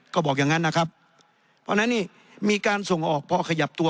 ก็บอกอย่างนั้นนะครับเพราะฉะนั้นนี่มีการส่งออกพอขยับตัว